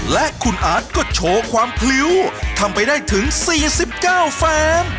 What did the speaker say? และคุณอาร์ตก็โชว์ความพลิ้วทำไปได้ถึง๔๙แฟม